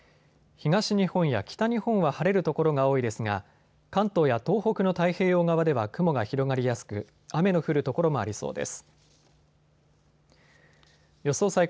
東日本や北日本は晴れる所が多いですが関東や東北の太平洋側では雲が広がりやすく雨の降る所もありそうです。